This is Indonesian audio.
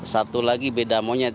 satu lagi beda monyet